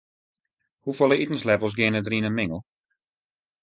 Hoefolle itensleppels geane der yn in mingel?